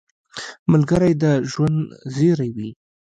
ملګری د ژوند زېری وي